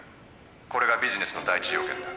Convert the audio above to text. これがビジネスの第一条件だ。